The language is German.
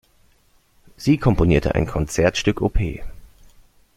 Sie komponierte ein "Konzertstück" op.